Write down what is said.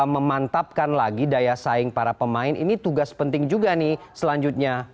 memantapkan lagi daya saing para pemain ini tugas penting juga nih selanjutnya